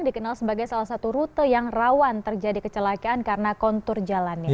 dikenal sebagai salah satu rute yang rawan terjadi kecelakaan karena kontur jalannya